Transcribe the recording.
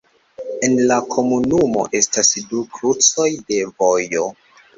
En la komunumo estas du krucoj de vojo.